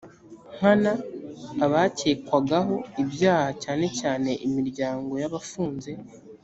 nkana abakekwagaho ibyaha cyanecyane imiryango y abafunze